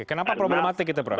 kenapa problematik itu pak fikri